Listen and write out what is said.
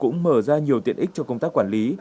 cơ sở dữ liệu cũng mở ra nhiều tiện ích cho công tác quản lý